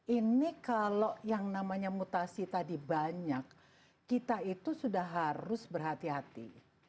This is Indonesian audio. ini kalau yang namanya mutasi tadi banyak kita itu sudah harus berhati hati